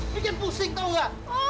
bikin pusing tahu nggak